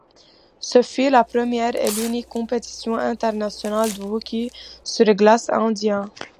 Ce fut la première et l’unique compétition internationale du hockey sur glace indien.